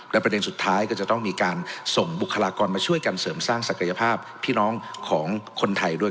และประเด็นสุดท้ายก็จะต้องมีการส่งบุคลากรมาช่วยกันเสริมสร้างศักยภาพพี่น้องของคนไทยด้วย